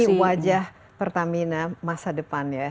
ini wajah pertamina masa depan ya